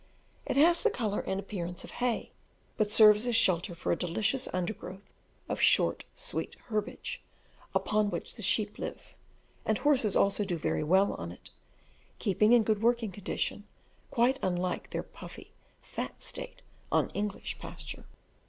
It has the colour and appearance of hay, but serves as shelter for a delicious undergrowth of short sweet herbage, upon which the sheep live, and horses also do very well on it, keeping in good working condition, quite unlike their puffy, fat state on English pasture.